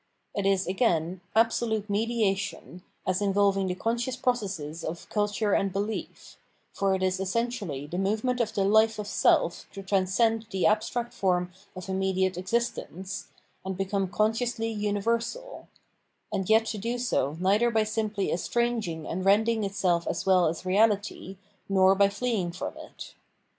It is, again, absolute mediation, as involving the conscious processes of culture and behef ; for it is essen tially the movement of the life of self to transcend the abstract form of immediate existence, and become con sciously universal — and yet to do so neither by simply estranging and rending itseh as well as reahty, nor by fleeing from it.